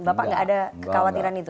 bapak nggak ada kekhawatiran itu